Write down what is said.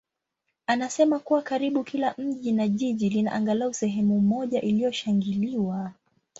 anasema kuwa karibu kila mji na jiji lina angalau sehemu moja iliyoshangiliwa.